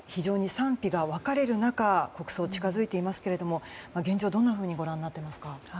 賛否が分かれる中国葬、近づいていますが現状をどんなふうにご覧になっていますか。